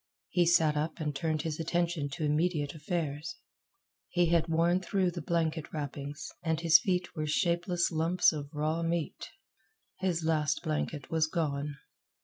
He sat up and turned his attention to immediate affairs. He had worn through the blanket wrappings, and his feet were shapeless lumps of raw meat. His last blanket was gone.